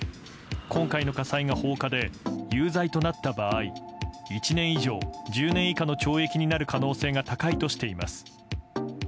今回の火災が放火で有罪となった場合１年以上１０年以下の懲役になる可能性が高いとしています。